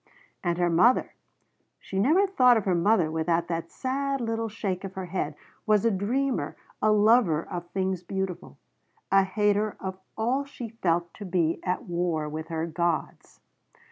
And her mother she never thought of her mother without that sad little shake of her head was a dreamer, a lover of things beautiful, a hater of all she felt to be at war with her gods.